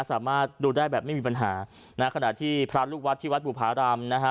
สามารถดูได้แบบไม่มีปัญหานะขณะที่พระลูกวัดที่วัดบุภารามนะฮะ